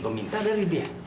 kau minta dari dia